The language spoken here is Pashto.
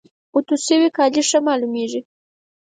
اوتو شوي کالي ښه معلوميږي.